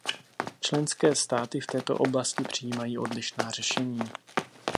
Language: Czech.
Členské státy v této oblasti přijímají odlišná řešení.